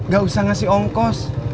gak usah ngasih ongkos